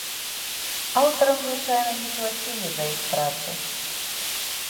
Аўтарам звычайна не плацілі за іх працу.